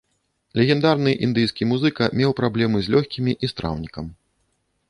Легендарны індыйскі музыка меў праблемы з лёгкімі і страўнікам.